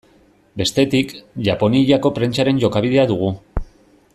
Bestetik, Japoniako prentsaren jokabidea dugu.